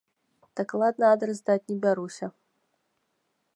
Дакладны адрас даць не бяруся.